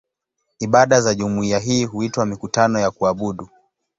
Ibada za jumuiya hii huitwa "mikutano ya kuabudu".